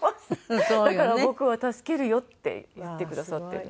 「だから僕は助けるよ」って言ってくださってるんです。